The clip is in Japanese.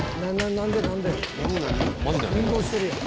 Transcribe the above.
運動してるやん。